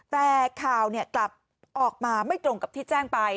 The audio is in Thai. แต่ข่าวกลับออกมาไม่ตรงกับที่แจ้งไป